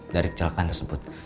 dari kecelakaan saya